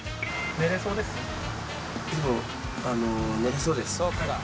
寝れそうです